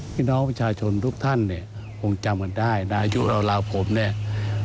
พี่น้องประชาชนทุกท่านเนี่ยคงจำกันได้ในอายุราวผมเนี่ย